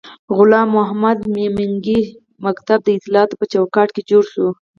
غلام محمد میمنګي ښوونځی د اطلاعاتو په چوکاټ کې جوړ شو.